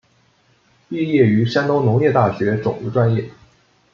毕业于山东农业大学种子专业。